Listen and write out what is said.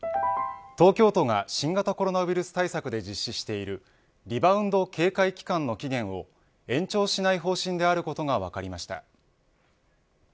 東京都が新型コロナウイルス対策で実施しているリバウンド警戒期間の期限を延長しない方針であることが分かりました。